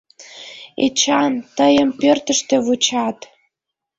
— Эчан, тыйым пӧртыштӧ вучат.